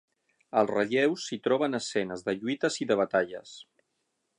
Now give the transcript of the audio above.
Als relleus, s'hi troben escenes de lluites i de batalles.